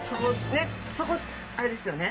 そこあれですよね？